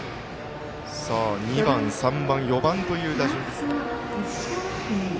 ２番、３番、４番という打順。